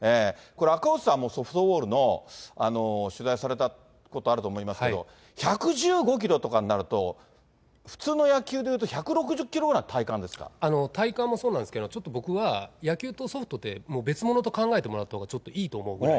これ赤星さんもソフトボールの取材されたことあると思いますけれども、１１５キロとかになると、普通の野球でいうと、１６０キロ体感もそうなんですけど、ちょっと僕は野球とソフトって、もう別物と考えてもらったほうが、ちょっといいと思うぐらい。